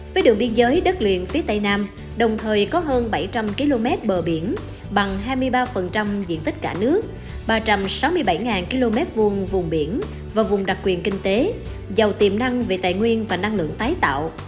với đường biên giới đất liền phía tây nam đồng thời có hơn bảy trăm linh km bờ biển bằng hai mươi ba diện tích cả nước ba trăm sáu mươi bảy km hai vùng biển và vùng đặc quyền kinh tế giàu tiềm năng về tài nguyên và năng lượng tái tạo